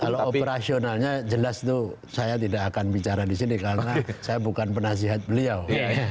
kalau operasionalnya jelas itu saya tidak akan bicara di sini karena saya bukan penasihat beliau